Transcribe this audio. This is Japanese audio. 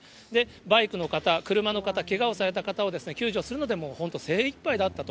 バイクの方、車の方、けがをされた方を救助するので本当精いっぱいだったと。